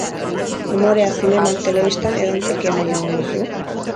Umorea, zineman, telebistan edo antzerkian nahiago duzu?